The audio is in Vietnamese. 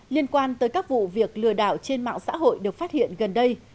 liên quan tới các vụ việc lừa đảo trên mạng xã hội được phát hiện gần đây